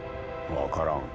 分からん。